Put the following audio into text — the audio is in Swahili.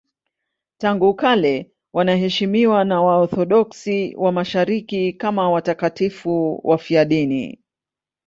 Tangu kale wanaheshimiwa na Waorthodoksi wa Mashariki kama watakatifu wafiadini.